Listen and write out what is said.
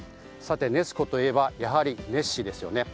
ネス湖といえばやはりネッシーですよね。